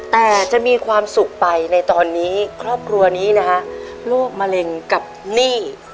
แต่จะมีความสุขไปในตอนนี้ครอบครัวนี้นะฮะโรคมะเร็งกับหนี้